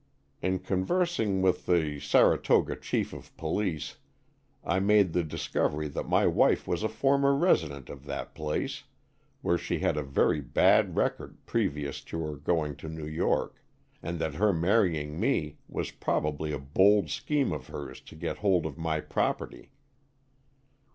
In conversing with the Sar 29 Stories from the Adirondack^. atoga chief of police I made the dis covery that my wife was a former resi dent of that place, where she had a very bad record previous to her going to New York, and that her marrying me was probably a bold scheme of hers to get hold of my property.